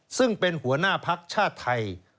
ซึ่งเป็นหัวหน้าภักดิ์ชาติไทย